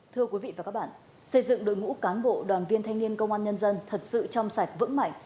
thưa quý vị và các bạn xây dựng đội ngũ cán bộ đoàn viên thanh niên công an nhân dân thật sự trong sạch vững mạnh